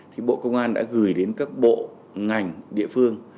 thì bộ công an đã gửi đến các bộ ngành địa phương